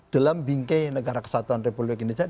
dalam bingkai negara kesatuan republik indonesia